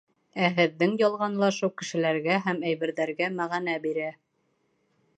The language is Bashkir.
Ә һеҙҙең ялғанлашыу кешеләргә һәм әйберҙәргә мәғәнә бирә.